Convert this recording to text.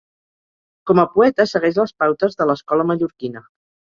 Com a poeta segueix les pautes de l'Escola Mallorquina.